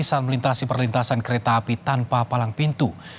saat melintasi perlintasan kereta api tanpa palang pintu